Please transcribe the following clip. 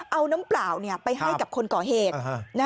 เอาน้ำเปล่าไปให้กับคนก่อเหตุ